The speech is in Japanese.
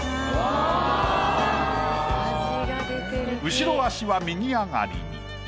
後ろ脚は右上がりに。